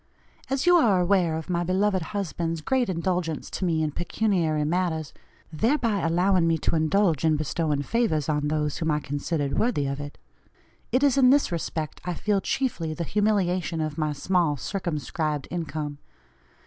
As you are aware of my beloved husband's great indulgence to me in pecuniary matters, thereby allowing me to indulge in bestowing favors on those whom I considered worthy of it, it is in this respect I feel chiefly the humiliation of my small circumscribed income.